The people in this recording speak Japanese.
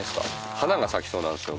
花が咲きそうなんですよ。